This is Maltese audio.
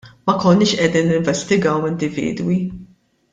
Ma konniex qegħdin ninvestigaw individwi.